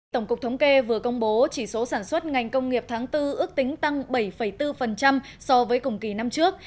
tổng cục thống kê vừa công bố chỉ số sản xuất ngành công nghiệp tháng bốn ước tính tăng bảy bốn so với cùng kỳ năm trước